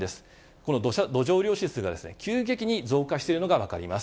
この土壌雨量指数が急激に増加しているのが分かります。